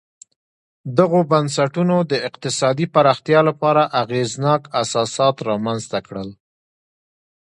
دغو بنسټونو د اقتصادي پراختیا لپاره اغېزناک اساسات رامنځته کړل